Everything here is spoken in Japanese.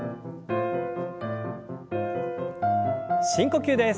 深呼吸です。